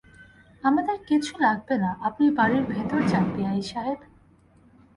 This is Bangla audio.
আমাদের কিছু লাগবে না, আপনি বাড়ির ভেতরে যান বেয়াই সাহেব।